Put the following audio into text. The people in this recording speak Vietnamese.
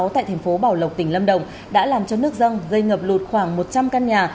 tại thành phố bảo lộc tỉnh lâm đồng đã làm cho nước dân gây ngập lụt khoảng một trăm linh căn nhà